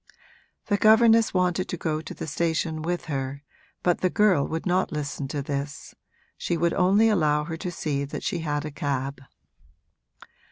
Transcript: The governess wanted to go to the station with her, but the girl would not listen to this she would only allow her to see that she had a cab.